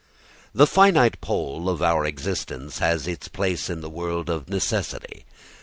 The finite pole of our existence has its place in the world of necessity.